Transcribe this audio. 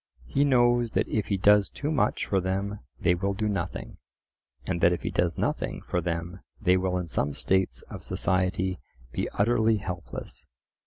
He knows that if he does too much for them they will do nothing; and that if he does nothing for them they will in some states of society be utterly helpless.